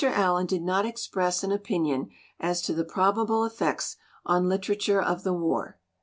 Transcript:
Allen did not express an opinion as to the probable effects on literature of the war.